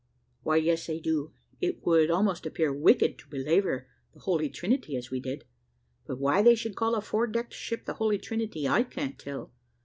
"Why, yes, they do; it would almost appear wicked to belabour the Holy Trinity as we did. But why they should call a four decked ship the Holy Trinity I can't tell.